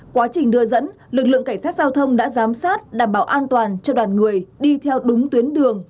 quá trình đưa dẫn lực lượng cảnh sát giao thông đã giám sát đảm bảo an toàn cho đoàn người đi theo đúng tuyến đường